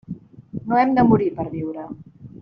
No hem de morir per viure.